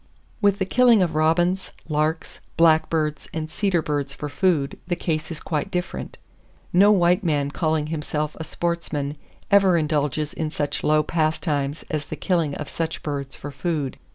With the killing of robins, larks, blackbirds and cedar birds for food, the case is quite different. No white man calling himself a sportsman ever indulges in such low pastimes as the killing of such birds for food.